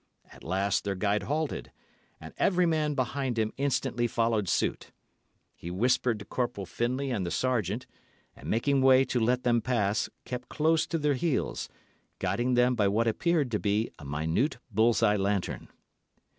At last their guide halted, and every man behind him instantly followed suit. He whispered to Corporal Findlay and the Sergeant, and, making way to let them pass, kept close to their heels, guiding them by what appeared to be a minute bull's eye lantern.